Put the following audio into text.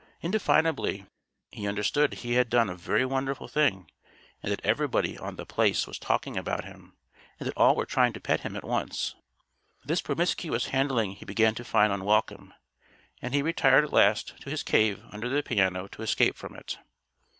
Indefinably, he understood he had done a very wonderful thing and that everybody on The Place was talking about him, and that all were trying to pet him at once. This promiscuous handling he began to find unwelcome. And he retired at last to his "cave" under the piano to escape from it.